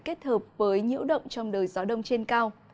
kết hợp với nhiễu động trong đời gió đông trên cao